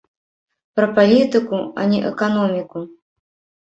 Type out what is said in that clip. Пра палітыку, а не эканоміку!